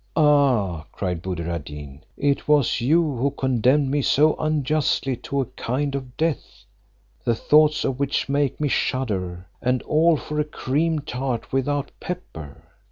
"Ah!" cried Buddir ad Deen, "it was you who condemned me so unjustly to a kind of death, the thoughts of which make me shudder, and all for a cream tart without pepper."